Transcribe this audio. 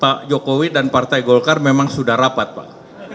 pak jokowi dan partai golkar memang sudah rapat pak